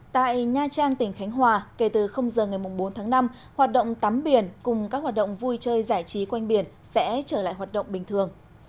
tại nha trang tỉnh khánh hòa kể từ giờ ngày bốn tháng năm hoạt động tắm biển cùng các hoạt động vui chơi giải trí quanh biển sẽ trở lại hoạt động bình thường